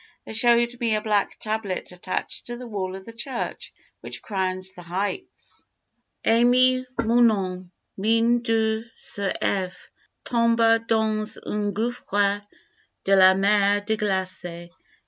They showed me a black tablet attached to the wall of the church which crowns the heights: AIMÉ MUNON, MIN. DU S. EV. TOMBA DANS UN GOUFFRE DE LA MER DE GLACE.